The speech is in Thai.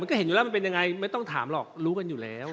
ก็เห็นอยู่แล้วมันเป็นยังไงไม่ต้องถามหรอกรู้กันอยู่แล้ว